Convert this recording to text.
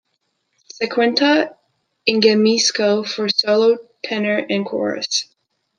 Sequentia, Ingemisco for solo tenor and chorus.